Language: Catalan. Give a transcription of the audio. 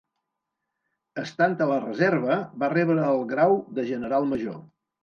Estant a la reserva, va rebre el grau de General Major.